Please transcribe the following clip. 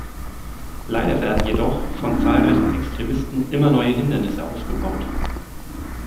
Leider werden jedoch von zahlreichen Extremisten immer neue Hindernisse aufgebaut.